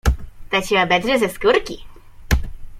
To cię obedrze ze skórki.